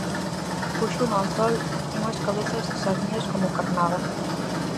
Puxo no anzol unhas cabezas de sardiñas como carnada.